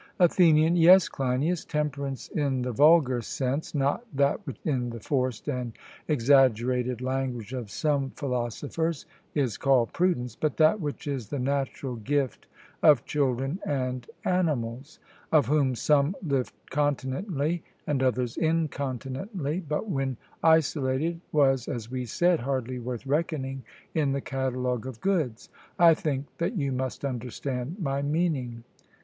ATHENIAN: Yes, Cleinias, temperance in the vulgar sense; not that which in the forced and exaggerated language of some philosophers is called prudence, but that which is the natural gift of children and animals, of whom some live continently and others incontinently, but when isolated, was, as we said, hardly worth reckoning in the catalogue of goods. I think that you must understand my meaning.